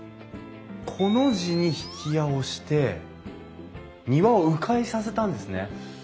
コの字に曳家をして庭をう回させたんですね。